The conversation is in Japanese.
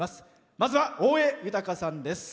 まずは大江裕さんです。